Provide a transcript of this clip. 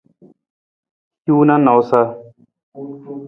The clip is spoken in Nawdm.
Hiwung na nawusa.